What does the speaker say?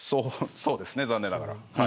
そうですね残念ながら。